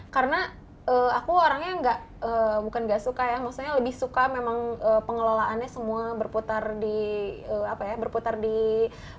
karena aku orangnya nggak bukan nggak suka ya maksudnya lebih suka memang pengelolaannya semua berputar di apa ya berputar di modal ini